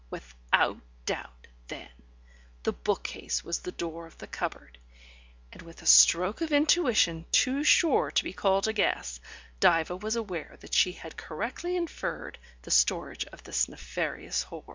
Without doubt, then, the bookcase was the door of the cupboard, and with a stroke of intuition, too sure to be called a guess, Diva was aware that she had correctly inferred the storage of this nefarious hoard.